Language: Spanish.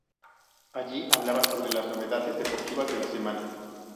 Allí hablaba sobre las novedades deportivas de la semana.